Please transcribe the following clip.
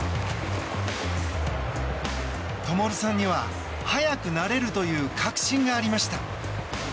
灯さんには、速くなれるという確信がありました。